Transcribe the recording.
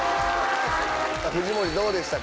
藤森どうでしたか？